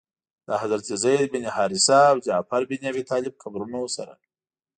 د حضرت زید بن حارثه او جعفر بن ابي طالب قبرونو سره.